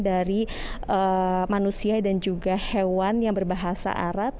dari manusia dan juga hewan yang berbahasa arab